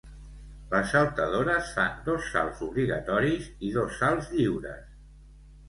Les saltadores fan dos salts obligatoris i dos salts lliures.